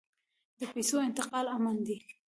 د پیسو انتقال امن دی؟